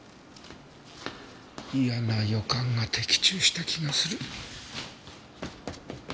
嫌な予感が的中した気がする。